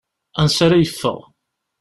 Ansa ara yeffeɣ?